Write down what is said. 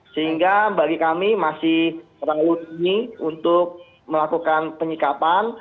sehingga bagi kami masih terlalu tinggi untuk melakukan penyikapan